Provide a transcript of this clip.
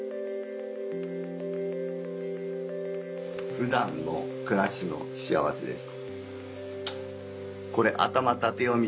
ふだんのくらしのしあわせです。